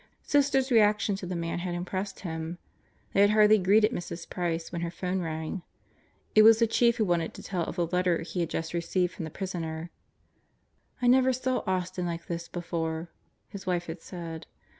Sister's reaction to the man had impressed him. They had hardly greeted Mrs. Price when her phone rang. It was the Chief who wanted to tell of the letter he had just received from the prisoner. "I never saw Austin like this before," his wife had said.